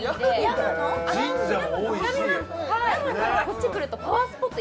病みますはいこっち来るとパワースポット